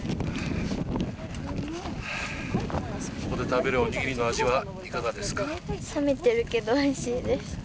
ここで食べるおにぎりの味はいかがですか？